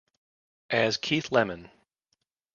As 'Keith Lemon'